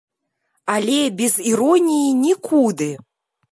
Але, без іроніі нікуды!